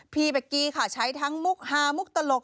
เป๊กกี้ค่ะใช้ทั้งมุกฮามุกตลก